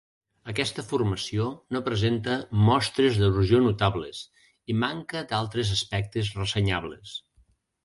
Aquesta formació no presenta mostres d'erosió notables, i manca d'altres aspectes ressenyables.